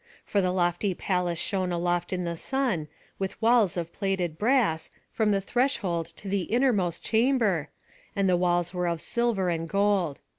For the lofty palace shone aloft in the sun, with walls of plated brass, from the threshold to the innermost chamber, and the doors were of silver and gold.